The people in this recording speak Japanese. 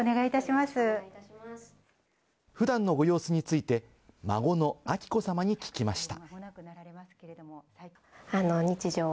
普段のご様子について、孫の彬子さまに聞きました。